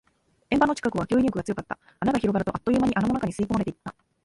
円盤の近くは吸引力が強かった。穴が広がると、あっという間に穴の中に吸い込まれていった。